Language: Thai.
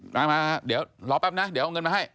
มาเดี๋ยวรอแป๊บนะเดี๋ยวเอาเงินมาให้